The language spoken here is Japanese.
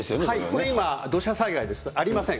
これ今、土砂災害ですがありません。